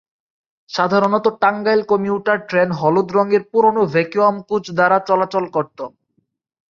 সাধারনত Tangail commuter train হলুদ রঙের পুরনো ভ্যাকুয়াম কোচ দ্বারা চলাচল করত।